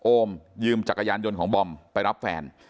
โอมยืมจักรยานยนต์ของบอมไปรับแฟน